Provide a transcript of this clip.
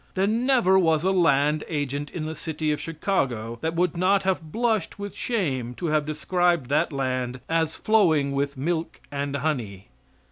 There never was a land agent in the city of Chicago that would not have blushed with shame to have described that land as flowing with milk and honey.